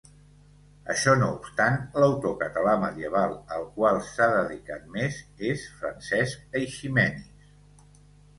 Això no obstant, l'autor català medieval al qual s'ha dedicat més és Francesc Eiximenis.